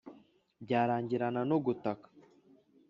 byarangirana no gutaka.